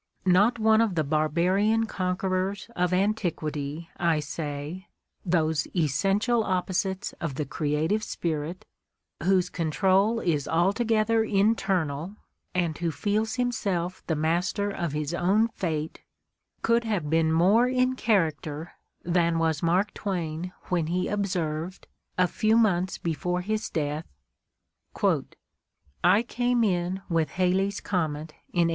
Not one of the barbarian conquerors of antiquity, I say, those essential opposites of the creative spirit, whose control is alto gether internal, and who feels himself the master of his own fate, could have been more in character than was Mark Twain when he observed, a few months before his death: "I came in with Halley's comet in 1835.